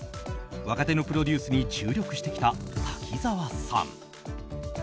若手のプロデュースに注力してきた滝沢さん。